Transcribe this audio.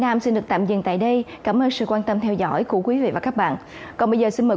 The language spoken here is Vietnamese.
nam xin được tạm dừng tại đây cảm ơn sự quan tâm theo dõi của quý vị và các bạn còn bây giờ xin mời